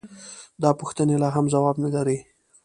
دا پوښتنې لا هم ځواب نه لري.